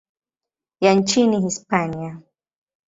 ya nchini Hispania.